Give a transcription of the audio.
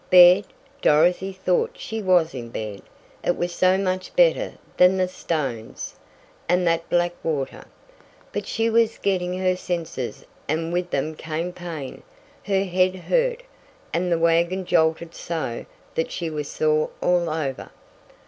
Bed! Dorothy thought she was in bed it was so much better than the stones, and that black water. But she was getting her senses and with them came pain. Her head hurt, and the wagon jolted so that she was sore all over.